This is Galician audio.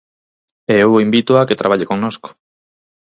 E eu invítoa a que traballe connosco.